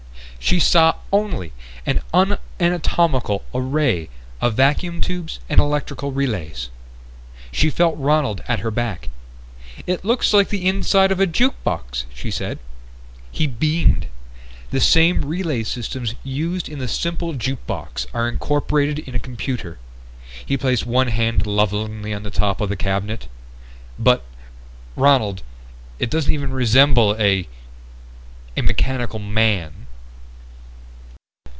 She saw only an unanatomical array of vacuum tubes and electrical relays. She felt Ronald at her back. "It looks like the inside of a juke box," she said. He beamed. "The same relay systems used in the simple juke box are incorporated in a computer." He placed one hand lovingly on the top of the cabinet. "But, Ronald it doesn't even resemble a a mechanical man?"